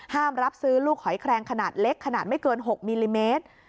รับซื้อลูกหอยแครงขนาดเล็กขนาดไม่เกิน๖มิลลิเมตร